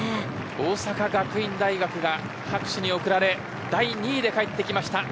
大阪学院大学が拍手に送られ第２位で帰ってきました。